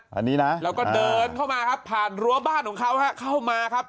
อันนี้นะแล้วก็เดินเข้ามาครับผ่านรั้วบ้านของเขาฮะเข้ามาครับ